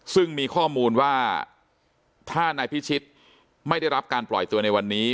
ซึ่งมีข้อมูลว่าถ้านายพิชิตไม่ได้รับการปล่อยตัวในวันนี้